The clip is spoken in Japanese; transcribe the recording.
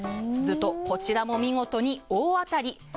すると、こちらも見事に大当たり。